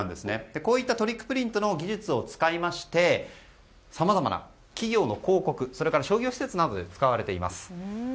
こういったトリックプリントの技術を使いましてさまざまな企業の広告それから商業施設などで使われています。